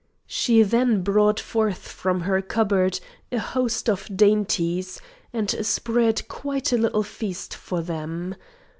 She then brought forth from her cupboard a host of dainties, and spread quite a little feast for them.